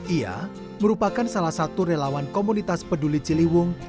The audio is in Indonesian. ia merupakan salah satu relawan komunitas peduli ciliwung